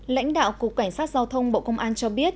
lãnh đạo cục cảnh sát giao thông bộ công an cho biết